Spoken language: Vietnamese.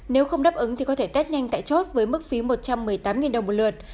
nếu không đáp ứng thì có thể tết nhanh tại chốt với mức phí một trăm một mươi tám đồng một lượt